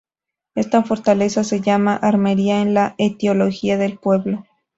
Esta fortaleza se llama "armería" en la etiología del pueblo.